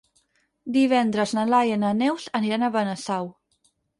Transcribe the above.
Divendres na Laia i na Neus aniran a Benasau.